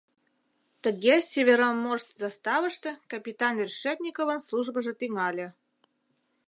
Тыге «Североморск» заставыште капитан Решетниковын службыжо тӱҥале.